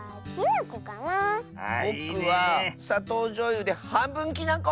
ぼくはさとうじょうゆではんぶんきなこ！